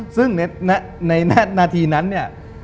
ซึ่งในนาทีนั้น